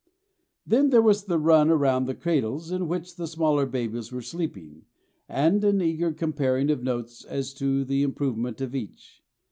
Then there was the run round the cradles in which smaller babies were sleeping, and an eager comparing of notes as to the improvement of each.